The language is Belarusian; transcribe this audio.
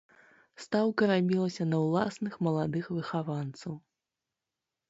Стаўка рабілася на ўласных маладых выхаванцаў.